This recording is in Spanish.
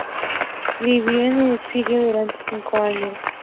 Vivió en el exilio durante cinco años.